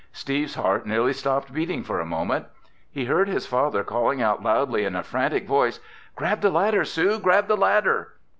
Steve's heart nearly stopped beating for a moment. He heard his father calling out loudly in a frantic voice: "Grab the ladder, Sue! Grab the ladder!"